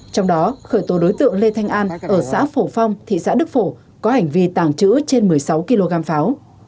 trong đó khởi tố đối tượng lê thanh an ở xã phổ phong thị xã đức phổ có hành vi tàng trữ trên một mươi sáu kg pháo